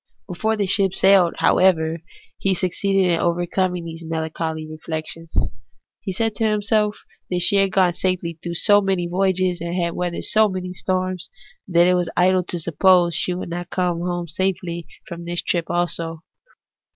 Before the ship sailed, however, he succeeded in overcoming these melancholy reflec tions. He said to himself that she had gone safely through so many voyages and weathered so many storms that it was idle to suppose she would not come safely home from this trip also.